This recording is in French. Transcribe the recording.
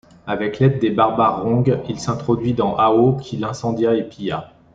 Avec l'aide des Barbares Rong, il s'introduit dans Hao, qu'il incendia et pilla.